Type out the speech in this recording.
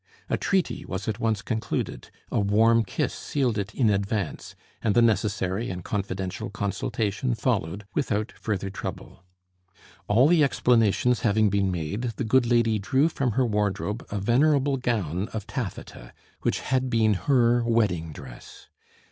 A treaty was at once concluded; a warm kiss sealed it in advance, and the necessary and confidential consultation followed without further trouble. All the explanations having been made, the good lady drew from her wardrobe a venerable gown of taffeta, which had been her wedding dress.